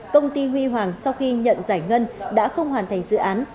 công ty huy hoàng sau khi nhận giải ngân đã không hoàn thành dự án